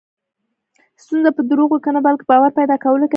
ستونزه په دروغو کې نه، بلکې باور پیدا کولو کې ده.